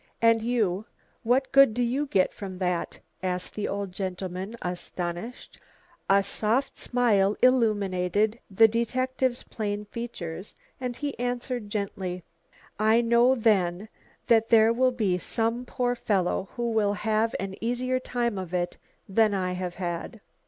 "And you? what good do you get from that?" asked the old gentleman, astonished. A soft smile illumined the detective's plain features and he answered gently, "I know then that there will be some poor fellow who will have an easier time of it than I have had."